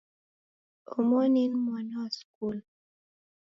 Omoni ni mwana wa skulu.